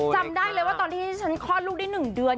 จำได้เลยว่าตอนที่ฉันคลอดลูกได้๑เดือน